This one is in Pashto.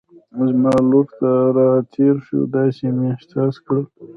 زما لور ته را تېر شو، داسې مې احساس کړل.